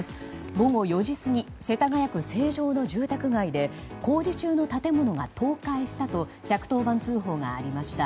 午後４時過ぎ世田谷区成城の住宅街で工事中の建物が倒壊したと１１０番通報がありました。